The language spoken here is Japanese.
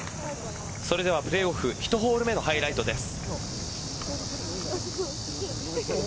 それではプレーオフ１ホール目のハイライトです。